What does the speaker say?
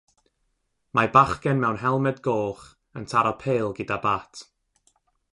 Mae bachgen mewn helmed goch yn taro pêl gyda bat